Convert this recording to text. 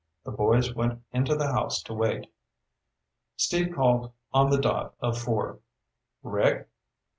The boys went into the house to wait. Steve called on the dot of four. "Rick?